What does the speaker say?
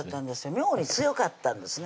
妙に強かったんですね